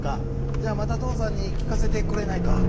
じゃあまたとうさんにきかせてくれないか？